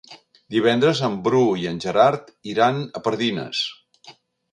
Divendres en Bru i en Gerard iran a Pardines.